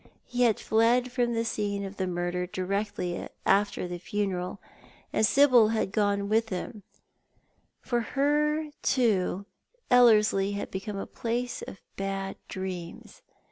He had fled from the scene of the murder directly after the funeral, and Sibyl had gone with hira. For her, too, Ellerslie had become a place of bad dreams.